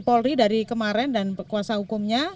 polri dari kemarin dan kekuasaan hukumnya untuk